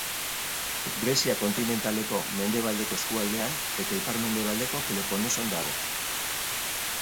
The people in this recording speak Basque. Grezia kontinentaleko mendebaldeko eskualdean eta ipar-mendebaldeko Peloponeson dago.